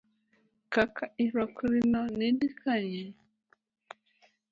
Kaka irwakorino ni dhi kanye.